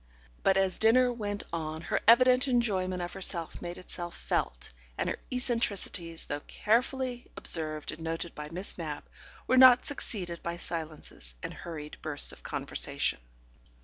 But as dinner went on her evident enjoyment of herself made itself felt, and her eccentricities, though carefully observed and noted by Miss Mapp, were not succeeded by silences and hurried bursts of conversation.